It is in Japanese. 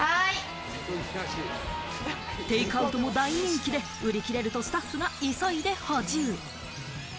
テイクアウトも大人気で、売り切れるとスタッフが急いで補充。